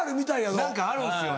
何かあるんですよね。